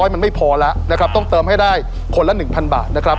มันไม่พอแล้วนะครับต้องเติมให้ได้คนละ๑๐๐บาทนะครับ